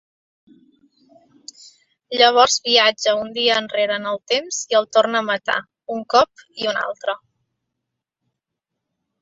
Llavors viatja un dia enrere en el temps i el torna a matar... un cop i un altre.